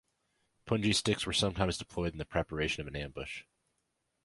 Punji sticks were sometimes deployed in the preparation of an ambush.